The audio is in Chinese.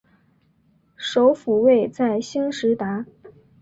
首府位在兴实达。